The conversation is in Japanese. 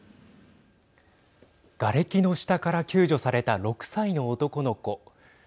がれきの下から救助された６歳の男の子。